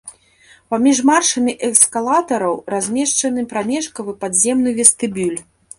Паміж маршамі эскалатараў размешчаны прамежкавы падземны вестыбюль.